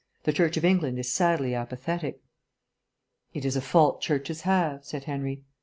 The Church of England is sadly apathetic." "It is a fault churches have," said Henry.